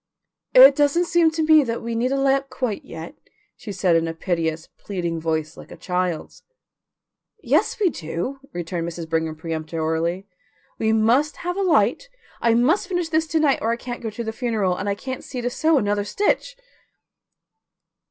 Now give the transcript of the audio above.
"It doesn't seem to me that we need a lamp quite yet," she said in a piteous, pleading voice like a child's. "Yes, we do," returned Mrs. Brigham peremptorily. "We must have a light. I must finish this to night or I can't go to the funeral, and I can't see to sew another stitch."